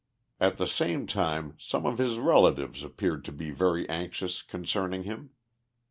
At the same time some of his relatives appeared to be very anxious concerning him.